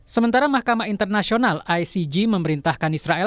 sementara mahkamah internasional icg memerintahkan israel